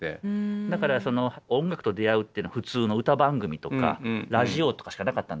だからその音楽と出会うってのは普通の歌番組とかラジオとかしかなかったんですよ。